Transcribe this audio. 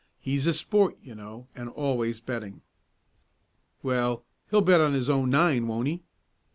He's a sport, you know, and always betting." "Well, he'll bet on his own nine; won't he?"